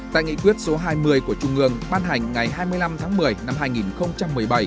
tại nghị quyết số hai mươi của trung ương ban hành ngày hai mươi năm tháng một mươi năm hai nghìn một mươi bảy